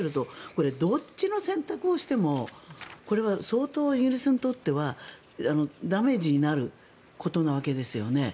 これ、どっちの選択をしてもこれは相当イギリスにとってはダメージになることなわけですよね。